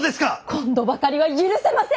今度ばかりは許せません！